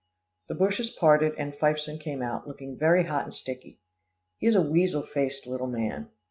The bushes parted, and Fifeson came out, looking very hot and sticky. He is a weasel faced little man.